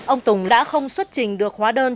ông tùng đã không xuất trình được hóa đơn